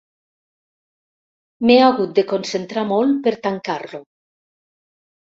M'he hagut de concentrar molt per tancar-lo.